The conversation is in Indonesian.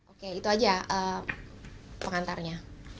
oke itu aja pengantarnya